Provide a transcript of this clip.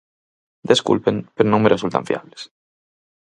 Desculpen, pero non me resultan fiables.